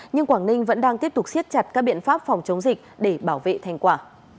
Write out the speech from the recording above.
nhưng quảng ninh vẫn đang tiếp tục siết chặt các biện pháp phòng chống dịch để bảo vệ thành quả